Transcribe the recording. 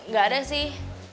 gak ada sih